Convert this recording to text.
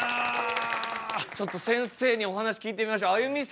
ちょっとせんせいにお話聞いてみましょうあゆみ